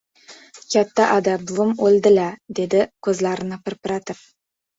Katta ada, buvim o‘ldila... - dedi ko‘zlarini pirpiratib.